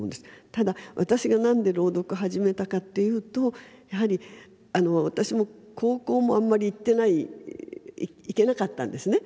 ただ私が何で朗読始めたかっていうとやはり私も高校もあんまり行ってない行けなかったんですね